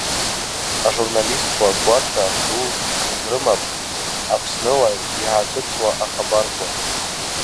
Ажурналистква гватра ду рызрымапӏ Апсныла йгӏатыцӏуа ахабарква.